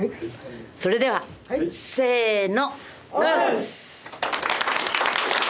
それではせーの。